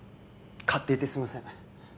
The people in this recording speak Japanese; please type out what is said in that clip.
勝手言ってすいません。